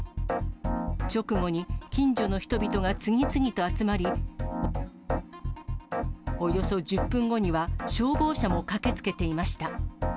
直後に近所の人々が次々と集まり、およそ１０分後には、消防車も駆けつけていました。